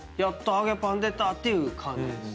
揚げパン出た！っていう感じです。